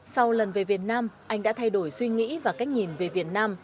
sau lần về việt nam anh đã thay đổi suy nghĩ và cách nhìn về việt nam